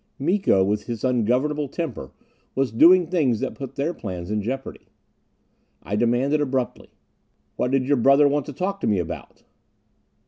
Miko, with his ungovernable temper, was doing things that put their plans in jeopardy. I demanded abruptly, "What did your brother want to talk to me about?"